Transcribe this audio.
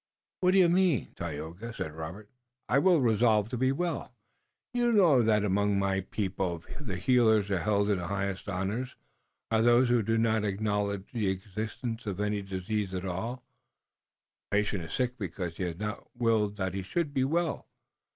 "What do you mean, Tayoga?" "I will resolve to be well. You know that among my people the healers held in highest honor are those who do not acknowledge the existence of any disease at all. The patient is sick because he has not willed that he should be well.